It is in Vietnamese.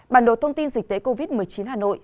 bản đồ thông tin dịch tế covid một mươi chín hà nội